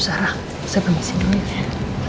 sarah saya permisi dulu